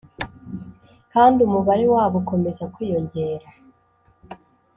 kandi umubare wabo ukomeza kwiyongera